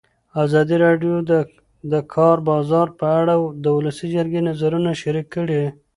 ازادي راډیو د د کار بازار په اړه د ولسي جرګې نظرونه شریک کړي.